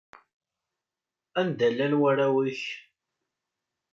Anda llan warraw-ik?